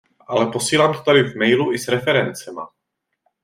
Ale posílám to tady v mailu i s referencema.